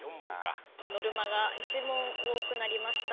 ノルマが１問多くなりました。